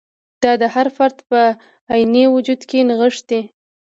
دا د هر فرد په عیني وجود کې نغښتی.